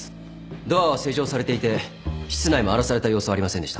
ドアは施錠されていて室内も荒らされた様子はありませんでした。